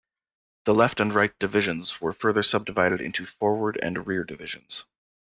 The Left and Right divisions were further subdivided into Forward and Rear divisions.